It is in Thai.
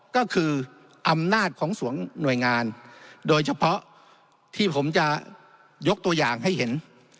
ก็คืออำนาจของสองหน่วยงานโดยเฉพาะที่ผมจะยกตัวอย่างให้เห็น